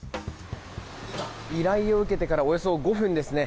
依頼を受けてからおよそ５分ですね。